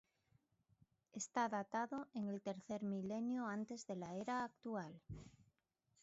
Está datado en el tercer milenio antes de la era actual.